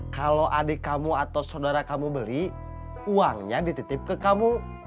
kalau adik kamu atau saudara kamu beli uangnya dititip ke kamu